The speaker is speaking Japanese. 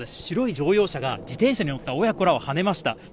白い乗用車が自転車に乗った親子らをはねました。